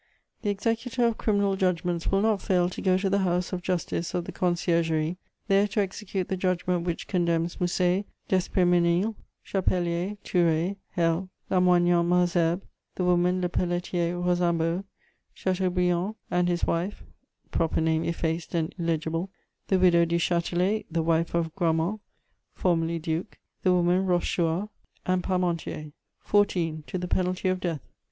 "The executor of criminal judgments will not fail to go to the house of justice of the Conciergerie, there to execute the judgment which condemns Mousset, d'Esprémenil, Chapelier, Thouret, Hell, Lamoignon Malsherbes, the woman Lepelletier Rosambo, Chateau Brian, and his wife [proper name effaced and illegible], the widow Duchatelet, the wife of Grammont, formerly duke, the woman Rochechuart [Rochechouart], and Parmentier; 14, to the penalty of death.